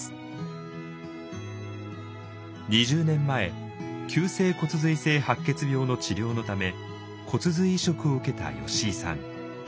２０年前急性骨髄性白血病の治療のため骨髄移植を受けた吉井さん。